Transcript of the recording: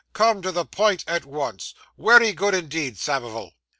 Come to the pint at once. Wery good indeed, Samivel.